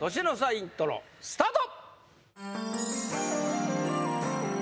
イントロスタート